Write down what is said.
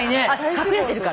隠れてるから。